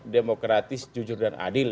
demokratis jujur dan adil